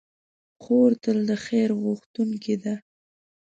خور تل د خیر غوښتونکې ده.